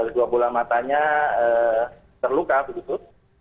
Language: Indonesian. dua bola matanya terluka begitu